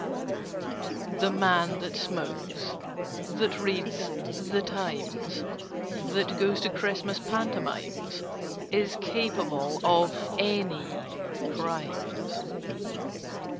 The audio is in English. "The man that smokes—that reads the Times— That goes to Christmas Pantomimes— Is capable of any crimes!"